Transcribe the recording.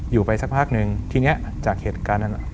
อยู่ไปสักพักนึงทีนี้จากเหตุการณ์นั้น